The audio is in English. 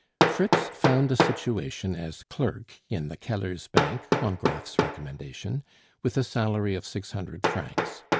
Fritz found a situation as clerk in the Kellers' bank (on Graff's recommendation), with a salary of six hundred francs.